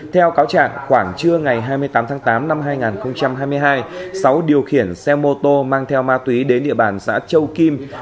theo cáo trạng khoảng trưa ngày hai mươi tám tháng tám năm hai nghìn hai mươi hai sáu điều khiển xe mô tô mang theo ma túy đến địa bàn xã châu kim